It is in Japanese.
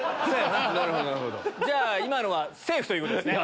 今のはセーフということですね。